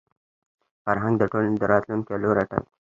فرهنګ د ټولني د راتلونکي لوری ټاکي.